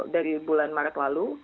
dari bulan maret lalu